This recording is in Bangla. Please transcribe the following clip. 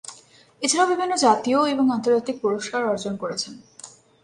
এছাড়াও বিভিন্ন জাতীয় এবং আন্তর্জাতিক পুরস্কার অর্জন করেছেন।